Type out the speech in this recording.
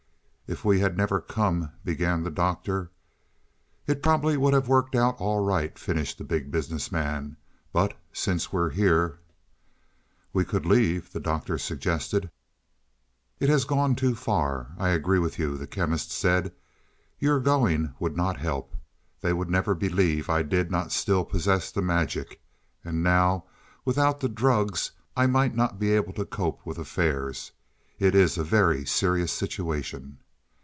"If we had never come " began the Doctor. "It probably would have worked out all right," finished the Big Business Man. "But since we're here " "We could leave," the Doctor suggested. "It has gone too far; I agree with you," the Chemist said. "Your going would not help. They would never believe I did not still possess the magic. And now, without the drugs I might not be able to cope with affairs. It is a very serious situation."